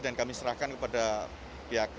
dan kami serahkan kepada pihak pihak